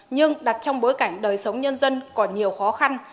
nhưng đặt trong bối cảnh đời sống nhân dân còn nhiều khó khăn